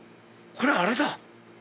これあれだ。